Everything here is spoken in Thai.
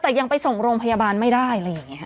แต่ยังไปส่งโรงพยาบาลไม่ได้อะไรอย่างนี้